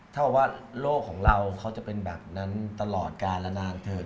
ถ้าว่าโลกของเราเขาจะเป็นแบบนั้นตลอดกาลละนานเถิด